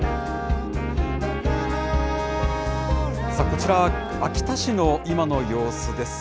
こちらは秋田市の今の様子です。